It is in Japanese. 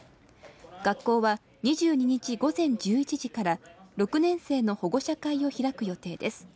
学校は２２日午前１１時から６年生の保護者会を開く予定です。